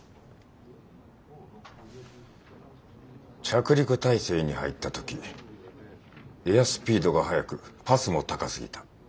着陸態勢に入った時エアスピードが速くパスも高すぎた。